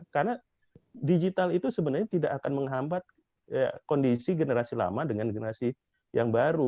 karena digital itu sebenarnya tidak akan menghambat ya kondisi generasi lama dengan generasi yang baru